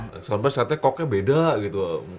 pas one pass artinya koknya beda gitu